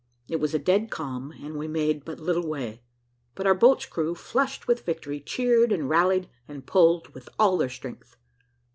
It was a dead calm, and we made but little way, but our boat's crew, flushed with victory, cheered, and rallied, and pulled, with all their strength.